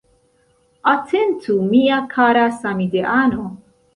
Atentu mia kara samideano.